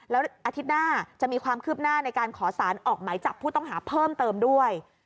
แล้วอาทิตย์หน้าจะมีความคืบหน้าในการขอสารออกหมายจับผู้ต้องหาเพิ่มเติมด้วย